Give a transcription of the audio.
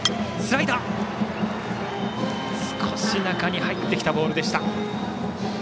少し中に入ってきたボールでした。